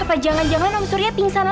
apa jangan jangan omsurya pingsan lagi